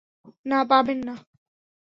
না, পাবেন না।